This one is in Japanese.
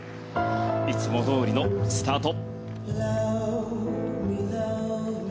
いつもどおりのスタート。